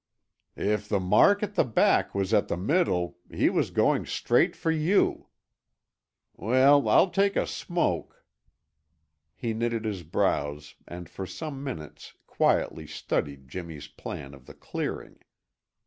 "If the mark at the back was at the middle, he was going straight for you. Weel, I'll take a smoke " He knitted his brows and for some minutes quietly studied Jimmy's plan of the clearing.